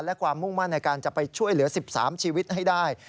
และความมุ่งมั่นในการจะไปช่วยเหลือ๑๓ชีวิตให้ได้